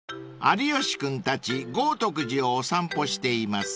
［有吉君たち豪徳寺をお散歩しています］